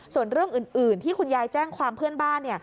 ส่วนเรื่องอื่นที่คุณยายแจ้งความเพื่อนบ้าน